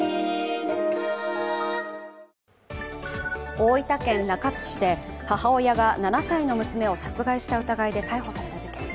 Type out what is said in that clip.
大分県中津市で母親が７歳の娘を殺害した疑いで逮捕された事件。